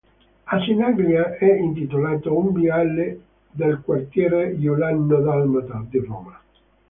A Sinigaglia è intitolato un viale del quartiere Giuliano-Dalmata di Roma.